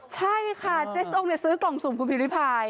ใช่ค่ะเจ๊ส้งซื้อกล่องสุ่มคุณพิมริพาย